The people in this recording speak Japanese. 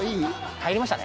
入りましたね。